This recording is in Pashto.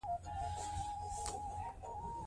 پښتو ژبه زموږ د لیدلوري ژبه ده.